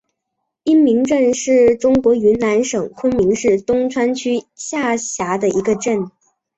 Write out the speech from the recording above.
因民镇是中国云南省昆明市东川区下辖的一个镇。